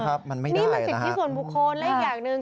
นี่มันสิทธิส่วนบุคคลและอีกอย่างหนึ่ง